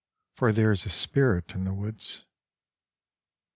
. for there is a spirit in the woods.